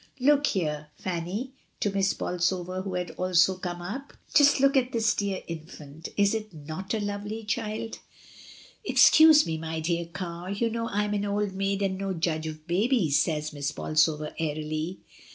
"Look here, Fanny" (to Miss Bolsover, who had also come up); "just look at this dear infant, is it not a lovely child?" A WELCOME. 267 "Excuse me, my dear Car, you know Fm an old maid and no judge of babies," says Miss Bol sover airily.